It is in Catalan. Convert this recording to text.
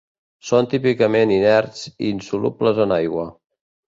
Són típicament inerts i insolubles en aigua.